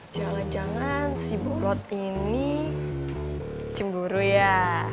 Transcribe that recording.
jangan jangan si bobot ini cemburu ya